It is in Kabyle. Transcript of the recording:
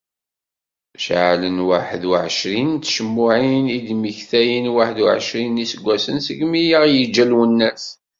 Ceɛlen waḥed u εecrin n tcemmuɛin i d-yesmektayen waḥed u εecrin n yiseggasen segmi i aɣ-yeǧǧa Lwennas.